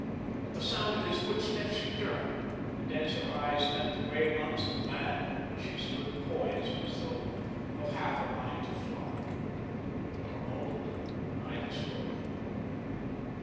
At the sound of his footstep she turned, and as her eyes met the gray ones of the man she stood poised as though of half a mind to fly. For a moment neither spoke.